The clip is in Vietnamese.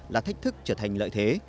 là thách thức trở thành lợi thế